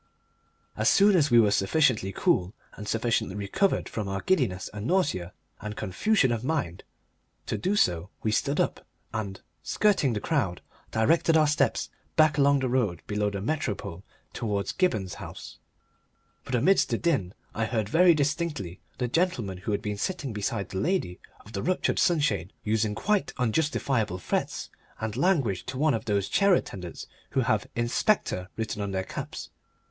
As soon as we were sufficiently cool and sufficiently recovered from our giddiness and nausea and confusion of mind to do so we stood up and, skirting the crowd, directed our steps back along the road below the Metropole towards Gibberne's house. But amidst the din I heard very distinctly the gentleman who had been sitting beside the lady of the ruptured sunshade using quite unjustifiable threats and language to one of those chair attendants who have "Inspector" written on their caps.